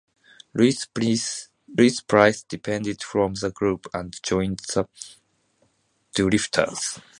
Louis Price departed from the group and joined the Drifters.